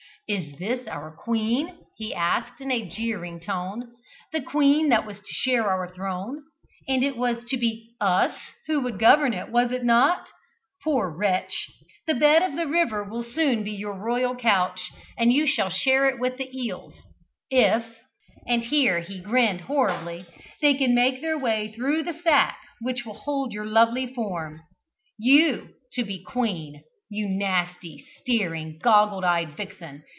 "Is this our queen?" he asked in a jeering tone. "The queen that was to share our throne, and it was to be 'us' who would govern, was it not? Poor wretch! the bed of the river will soon be your royal couch, and you shall share it with the eels if" (and here he grinned horribly) "they can make their way through the sack which will hold your lovely form. You to be queen, you nasty, staring, goggle eyed vixen!